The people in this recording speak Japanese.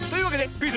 クイズ